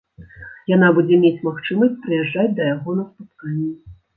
Яна будзе мець магчымасць прыязджаць да яго на спатканні.